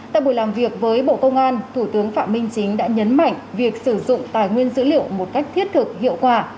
tại buổi làm việc với bộ công an thủ tướng phạm minh chính đã nhấn mạnh việc sử dụng tài nguyên dữ liệu một cách thiết thực hiệu quả